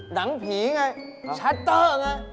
หนังผีไงชัตเตอร์ไง